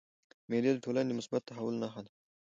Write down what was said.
مېلې د ټولني د مثبت تحول نخښه ده.